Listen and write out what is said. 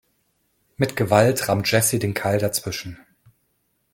Mit Gewalt rammt Jessy den Keil dazwischen.